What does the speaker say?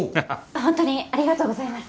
ホントにありがとうございます。